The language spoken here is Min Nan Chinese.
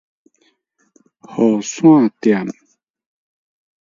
雨傘店